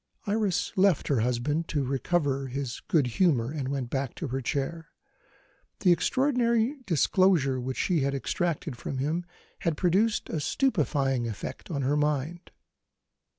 Iris left her husband to recover his good humour, and went back to her chair. The extraordinary disclosure which she had extracted from him had produced a stupefying effect on her mind.